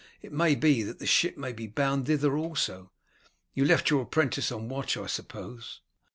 It may be that the ship may be bound thither also. You left your apprentice on the watch, I suppose?"